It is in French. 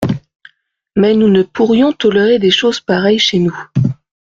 Mais nous ne pourrions tolérer des choses pareilles chez nous.